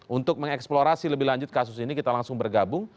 untuk mengeksplorasi lebih lanjut kasus ini kita langsung bergabung